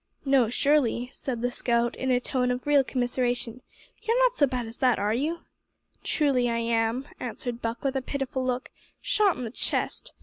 "No, surely," said the scout, in a tone of real commiseration, "you're not so bad as that, are you?" "Truly am I," answered Buck, with a pitiful look, "shot in the chest.